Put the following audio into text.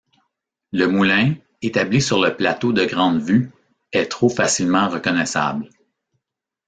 Le moulin, établi sur le plateau de Grande-Vue, est trop facilement reconnaissable.